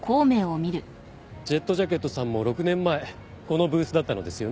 ＪＥＴＪＡＣＫＥＴさんも６年前このブースだったのですよね。